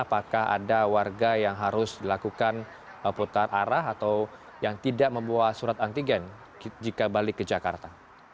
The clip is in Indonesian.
apakah ada warga yang harus dilakukan putar arah atau yang tidak membawa surat antigen jika balik ke jakarta